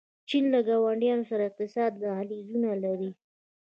چین له ګاونډیانو سره اقتصادي دهلیزونه لري.